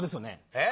えっ？